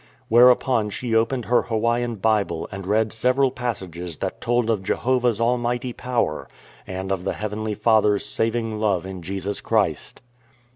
Where upon she opened her Hawaiian Bible and read several passages that told of Jehovah's almighty power and of the heavenly Father's saving love in Jesus Christ.